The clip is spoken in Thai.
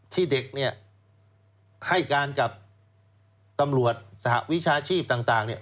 ที่เด็กเนี่ยให้การกับตำรวจสหวิชาชีพต่าง